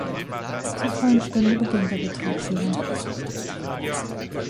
Zur vollen Stunde beginnt der Betrieb wieder.